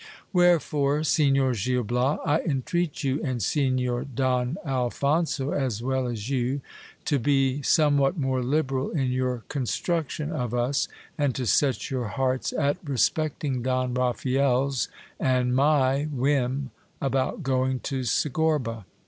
Wherefore, Signor Gil Bias, I entreat you, and Signor Don Alphonso as well as you, to be somewhat more liberal in your construc tion of us, and to set your hearts at respecting Don Raphael's and my whim about going to Segorba.